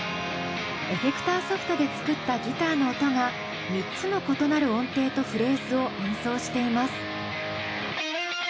エフェクターソフトで作ったギターの音が３つの異なる音程とフレーズを演奏しています。